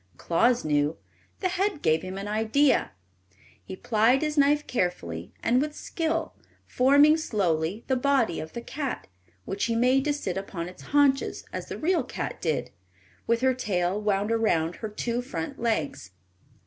Claus knew. The head gave him an idea. He plied his knife carefully and with skill, forming slowly the body of the cat, which he made to sit upon its haunches as the real cat did, with her tail wound around her two front legs.